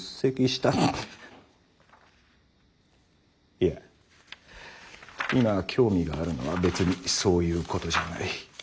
いや今興味があるのは別にそういうことじゃあない。